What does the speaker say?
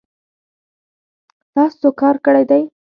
تاسو کار کړی دی